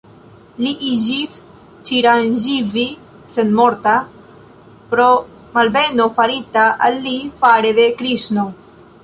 Li iĝis "Ĉiranĝivi" (senmorta) pro malbeno farita al li fare de Kriŝno.